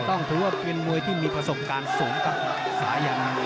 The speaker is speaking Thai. ต้องคิดว่าเป็นมวยที่มีประสบการณ์สมกับสายหยัง